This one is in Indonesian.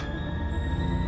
aku bisa sembuh